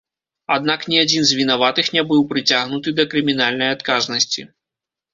Аднак ні адзін з вінаватых ня быў прыцягнуты да крымінальнай адказнасці.